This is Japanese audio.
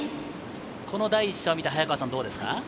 この第１射を見て、早川さんどうですか？